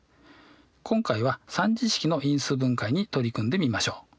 今回は３次式の因数分解に取り組んでみましょう。